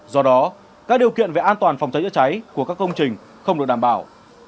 do đó các điều kiện về an toàn phòng cháy chữa cháy của các công trình không được đảm bảo